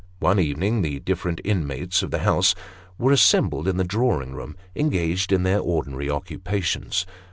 One evening, the different inmates of the house were assembled in the drawing room engaged in their ordinary occupations.